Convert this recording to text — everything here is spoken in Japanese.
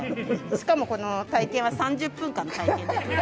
しかもこの体験は３０分間体験できる。